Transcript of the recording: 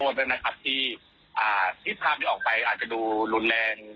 โทษด้วยนะครับที่พาไปออกไปอาจจะดูรุนแรง